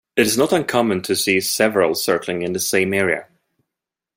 It is not uncommon to see several circling in the same area.